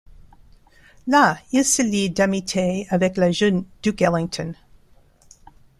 Là, il se lie d'amitié avec le jeune Duke Ellington.